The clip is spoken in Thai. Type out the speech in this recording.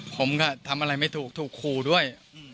ผมก็ทำอะไรไม่ถูกถูกขู่ด้วย